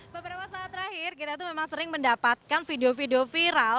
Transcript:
beberapa saat terakhir kita itu memang sering mendapatkan video video viral